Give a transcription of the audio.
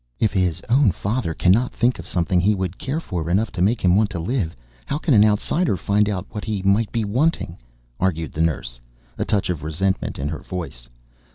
"If his own father cannot think of something he would care for enough to make him want to live, how can an outsider find out what he might be wanting?" argued the nurse, a touch of resentment in her voice.